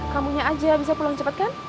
kamunya aja bisa pulang cepat kan